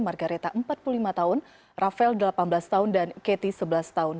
margaretha empat puluh lima tahun rafael delapan belas tahun dan katty sebelas tahun